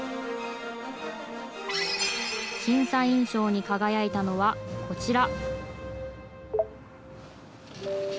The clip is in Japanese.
審査員賞に輝いたのは、こちら。